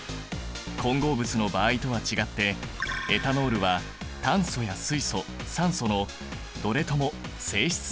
混合物の場合とは違ってエタノールは炭素や水素酸素のどれとも性質が異なっている。